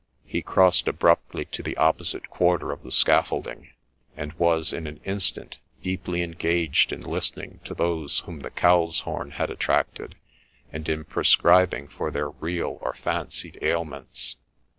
He crossed abruptly to the opposite quarter of the scaffolding, and was in an instant deeply engaged in listening to those whom the cow's horn had attracted, and in prescribing for their real or fancied ailments.